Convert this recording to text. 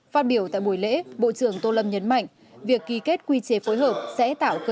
phát biểu tại buổi lễ bộ trưởng tô lâm nhấn mạnh việc ký kết quy chế phối hợp sẽ tạo cơ sở